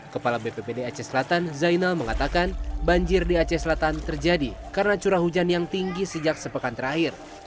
kepala bppd aceh selatan zainal mengatakan banjir di aceh selatan terjadi karena curah hujan yang tinggi sejak sepekan terakhir